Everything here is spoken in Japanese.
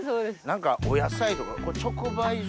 何かお野菜とか。